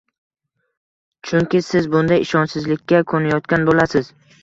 Chunki siz bunda ishonchsizlikka ko‘nikayotgan bo‘lasiz.